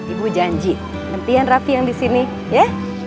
ibu janji nantian raffi yang disini ya